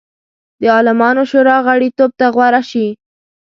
د عالمانو شورا غړیتوب ته غوره شي.